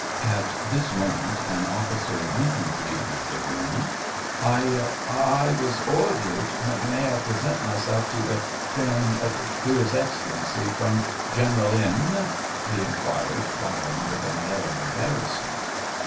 At this moment an officer of infantry entered the room. I ... I was ordered ... may I present my self to the gen ... to His Excellency from Gen eral N. }" he inquired, bowing with an air of embarrassment.